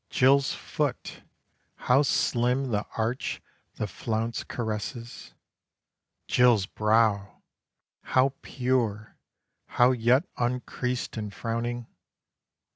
Jill's foot! How slim the arch the flounce caresses. Jill's brow! How pure; how yet uncreased in frowning.